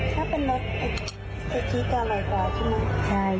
ถ้าเป็นรสไอติมมันจะอร่อยกว่าใช่ไหม